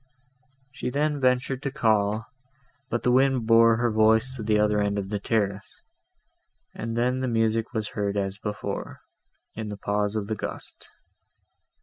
She then ventured to call; but the wind bore her voice to the other end of the terrace, and then the music was heard as before, in the pause of the gust.